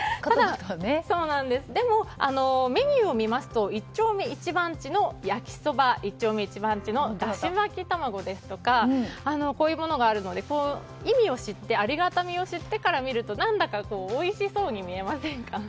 でも、メニューを見ますと一丁目一番地の焼きそば一丁目一番地のだし巻き卵ですとかこういうものがあるので意味を知ってありがたみを知ってから見ると何だかおいしそうに見えませんか。